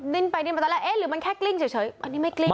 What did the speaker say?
ดินไปดินมาตลอดหรือมันแค่กลิ้งเฉยอันนี้ไม่กลิ้งนะ